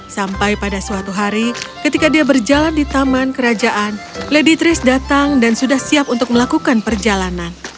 sampai pada suatu hari ketika dia berjalan di taman kerajaan lady tris datang dan sudah siap untuk melakukan perjalanan